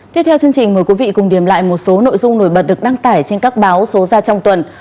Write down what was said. tiếp theo chương trình mời quý vị cùng điểm lại một số nội dung nổi bật được đăng tải trên các báo số ra trong tuần